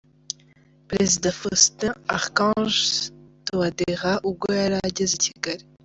Perezida Faustin-Archange Touadéra ubwo yari ageze i Kigali.